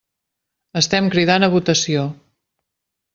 Estem cridant a votació.